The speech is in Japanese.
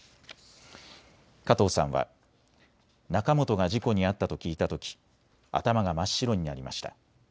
加藤さんは、仲本が事故に遭ったと聞いたとき頭が真っ白になりました。